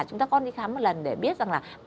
chúng ta con đi khám một lần để biết rằng là